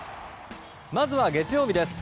まずは月曜日です。